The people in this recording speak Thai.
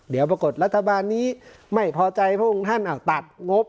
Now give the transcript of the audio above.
เดี๋ยวปรากฏรัฐบาลนี้ไม่พอใจพวกท่านอ้าวตัดงบ